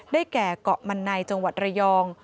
แก่เกาะมันในจังหวัดระยอง